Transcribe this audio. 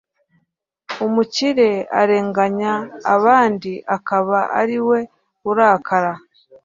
umukire arenganya abandi akaba ari we urakara